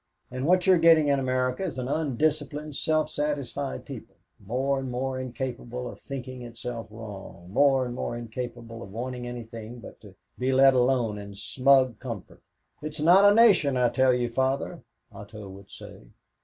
And what you are getting in America is an undisciplined, self satisfied people, more and more incapable of thinking itself wrong, more and more incapable of wanting anything but to be let alone in smug comfort. It is not a nation, I tell you, Father," Otto would say.